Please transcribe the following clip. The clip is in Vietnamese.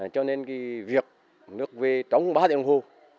cho nên cái việc nước về trong ba đường hồ